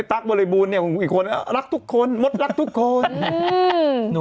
ตั๊บบริบูรณ์เนี่ยอีกคนรักทุกคนมดรักทุกคน